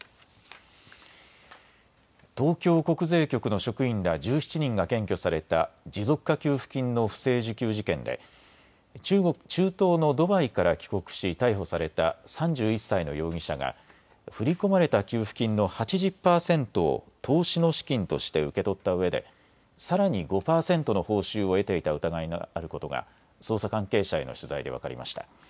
東京国税局の職員ら１７人が検挙された持続化給付金の不正受給事件で中東のドバイから帰国し逮捕された３１歳の容疑者が振り込まれた給付金の８０％を投資の資金として受け取ったうえでさらに５％の報酬を得ていた疑いがあることが捜査関係者への取材で分かりました。